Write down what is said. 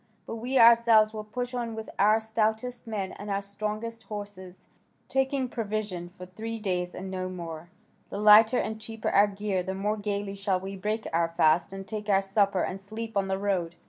But we ourselves will push on with our stoutest men and our strongest horses, taking provision for three days and no more: the lighter and cheaper our gear the more gaily shall we break our fast and take our supper and sleep on the road.